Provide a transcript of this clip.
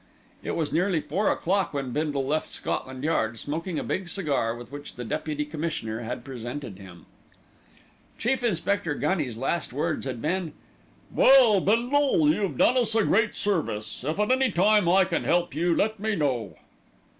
It was nearly four o'clock when Bindle left Scotland Yard, smoking a big cigar with which the Deputy Commissioner had presented him. Chief Inspector Gunny's last words had been, "Well, Bindle, you've done us a great service. If at any time I can help you, let me know."